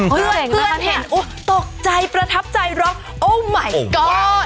เกือบเห็นตกใจประทับใจร้องโอ้มายก๊อด